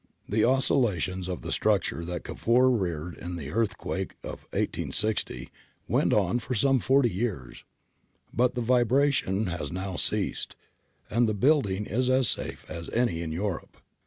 The oscilla tions of the structure that Cavour reared in the earthquake of i860 went on for some forty years; but the vibration has now ceased, and the building is as safe as any in Europe.